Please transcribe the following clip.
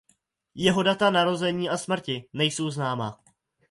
Jeho data narození a smrti nejsou známa.